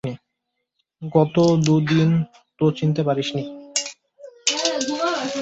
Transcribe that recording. গত দু দিন তো চিনতে পারিস নি।